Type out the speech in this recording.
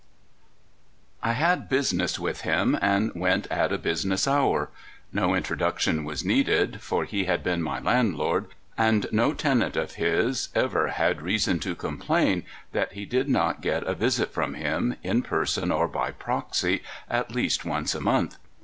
1HAD business with him, and went at a busi ness hour. No introduction was needed, for he had been my landlord, and no tenant of his ever had reason to complain that he did not get a visit from him, in person or by proxy, at least once a month.